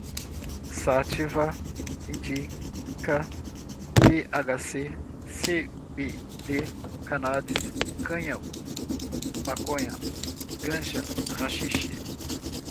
sativa, indica, thc, cbd, canábis, cânhamo, maconha, ganja, haxixe